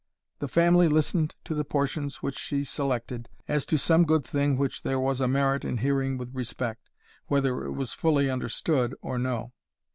The family listened to the portions which she selected, as to some good thing which there was a merit in hearing with respect, whether it was fully understood or no.